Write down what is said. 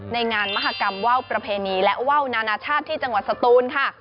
ในงานมหากรรมว่าวประเพณีและว่าวนานาชาติที่จังหวัดสตูนค่ะ